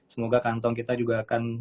semoga kantong kita juga akan